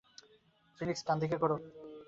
Phoenix, ডানদিকে ঘোরো।